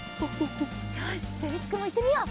よしじゃありつくんもいってみよう。